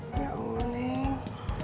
ya allah neng